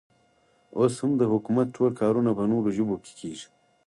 اوس هم د حکومت ټول کارونه په نورو ژبو کې کېږي.